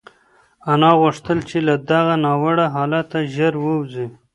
انا غوښتل چې له دغه ناوړه حالته ژر ووځي.